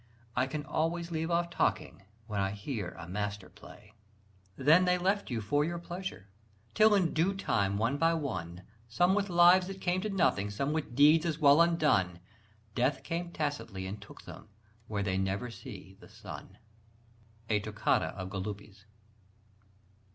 I can always leave off talking when I hear a master play!" Then they left you for your pleasure: till in due time, one by one, Some with lives that came to nothing, some with deeds as well undone, Death came tacitly and took them where they never see the sun. (_A Toccata of Galuppi's.